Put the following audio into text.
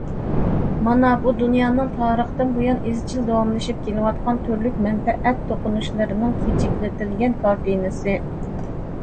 مانا بۇ دۇنيانىڭ تارىختىن بۇيان ئىزچىل داۋاملىشىپ كېلىۋاتقان تۈرلۈك مەنپەئەت توقۇنۇشلىرىنىڭ كىچىكلىتىلگەن كارتىنىسى.